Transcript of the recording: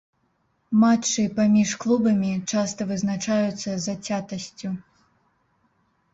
Матчы паміж клубамі часта вызначаюцца зацятасцю.